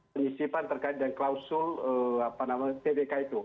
penyisipan terkait dengan klausul tbk itu